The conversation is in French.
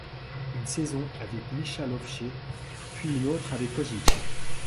Une saison avec Michalovce, puis une autre avec Košice.